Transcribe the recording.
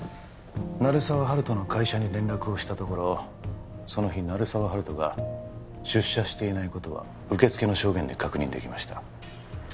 鳴沢温人の会社に連絡をしたところその日鳴沢温人が出社していないことは受付の証言で確認できました